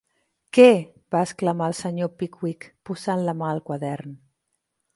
"Què!", va exclamar el senyor Pickwick posant la mà al quadern.